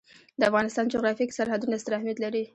د افغانستان جغرافیه کې سرحدونه ستر اهمیت لري.